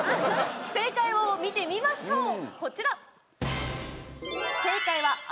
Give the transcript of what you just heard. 正解を見てみましょうこちら。